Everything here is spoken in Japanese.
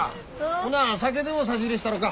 ほな酒でも差し入れしたろか。